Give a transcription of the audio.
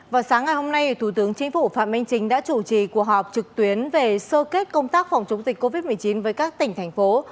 vào sáng ngày hôm nay thủ tướng chính phủ phạm minh chính đã chủ trì cuộc họp trực tuyến về sơ kết công tác phòng chống dịch covid một mươi chín với các tỉnh thành phố